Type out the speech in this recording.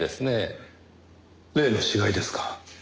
例の死骸ですか？